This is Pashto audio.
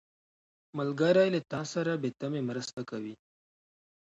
ملګری له تا سره بې تمې مرسته کوي